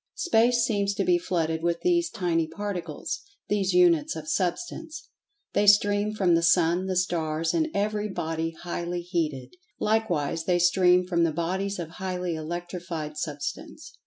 Space seems to be flooded with these tiny particles—these Units of Substance. They stream from the Sun; the Stars; and every body highly heated. Likewise they stream from the bodies of highly electrified Substance.